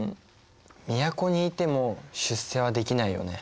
都にいても出世はできないよね。